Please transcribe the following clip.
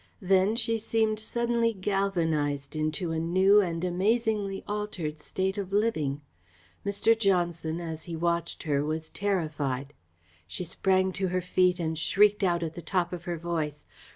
Then she seemed suddenly galvanised into a new and amazingly altered state of living. Mr. Johnson, as he watched her, was terrified. She sprang to her feet and shrieked out at the top of her voice.